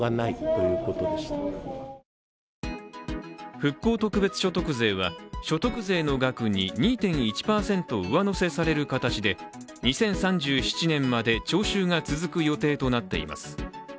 復興特別所得税は所得税の額に２．１％上乗せされる形で２０３７年まで徴収が続く予定となっています。